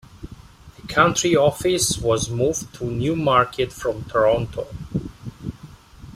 The county office was moved to Newmarket from Toronto.